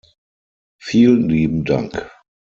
Vielen lieben Dank!